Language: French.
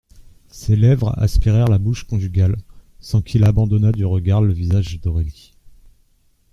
Ses lèvres aspirèrent la bouche conjugale, sans qu'il abandonnât du regard le visage d'Aurélie.